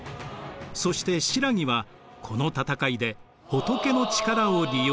そして新羅はこの戦いで「仏」の力を利用しました。